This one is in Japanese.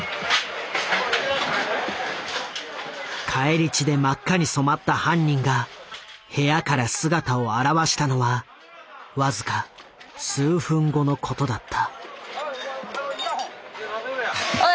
返り血で真っ赤に染まった犯人が部屋から姿を現したのはわずか数分後のことだった。